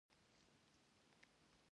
چغلي کول اور بلول دي